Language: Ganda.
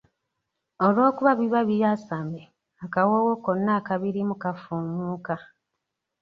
Olw'okuba biba byasame, akawoowo konna akabirimu kafumuuka.